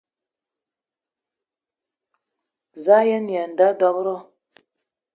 Za a yen-aya dob-ro?